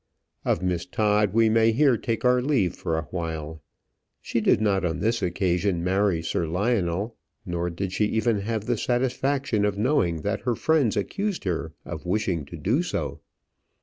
Of Miss Todd we may here take our leave for awhile. She did not on this occasion marry Sir Lionel, nor did she even have the satisfaction of knowing that her friends accused her of wishing to do so.